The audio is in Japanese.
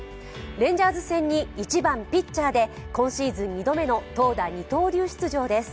レンジャーズ戦に１番・ピッチャーで今シーズン２度目の投打二刀流出場です。